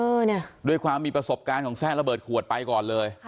เออเนี่ยด้วยความมีประสบการณ์ของแทรกระเบิดขวดไปก่อนเลย